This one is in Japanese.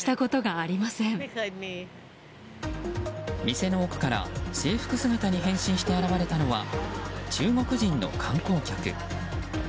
店の奥から制服姿に変身して現れたのは中国人の観光客。